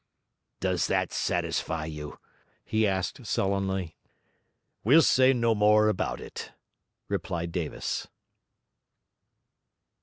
'Does that satisfy you?' he asked sullenly. 'We'll say no more about it,' replied Davis.